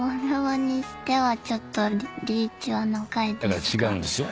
だから違うんですよ。